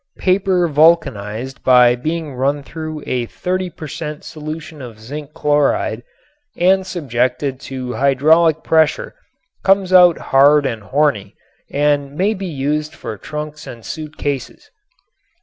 Paper "vulcanized" by being run through a 30 per cent. solution of zinc chloride and subjected to hydraulic pressure comes out hard and horny and may be used for trunks and suit cases.